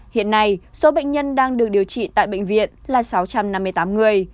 hiện nay số bệnh nhân đang được điều trị tại bệnh viện là sáu trăm năm mươi tám người